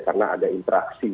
karena ada interaksi